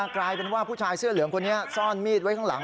กลายเป็นว่าผู้ชายเสื้อเหลืองคนนี้ซ่อนมีดไว้ข้างหลัง